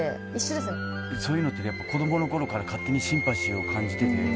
そういうのって子供の頃から勝手にシンパシーを感じてて。